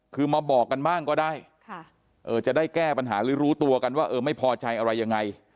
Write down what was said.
คือมาบอกกันบ้างก็ได้จะได้แก้ปัญหาหรือรู้ตัวกันว่าเออไม่พอใจอะไรยังไง